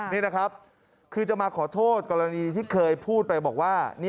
นี่นะครับคือจะมาขอโทษกรณีที่เคยพูดไปบอกว่า